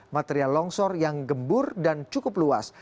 material longsor yang gembur dan cukup luas